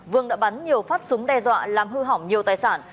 vương đã bắn nhiều phát súng đe dọa làm hư hỏng nhiều tài sản